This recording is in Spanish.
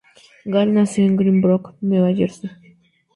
Gall nació en Green Brook, Nueva Jersey.